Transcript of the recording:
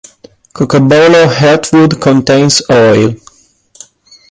Cocobolo heartwood contains oil.